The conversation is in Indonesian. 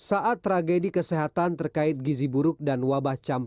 saat tragedi kesehatan terkait gizi buruk dan wabah campur